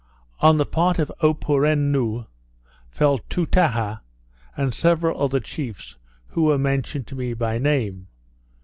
On the part of Opoureonu, fell Toutaha, and several other chiefs, who were mentioned to me by name.